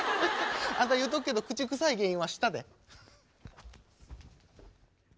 あんた言うとくけど口臭い原因は舌で。